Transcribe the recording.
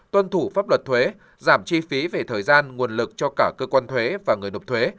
tuân thủ pháp luật thuế giảm chi phí về thời gian nguồn lực cho cả cơ quan thuế và người nộp thuế